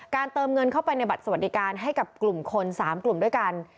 เติมเงินเข้าไปในบัตรสวัสดิการให้กับกลุ่มคน๓กลุ่มด้วยกัน